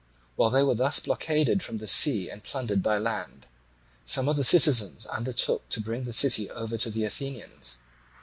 While they were thus blockaded from the sea and plundered by land, some of the citizens undertook to bring the city over to the Athenians.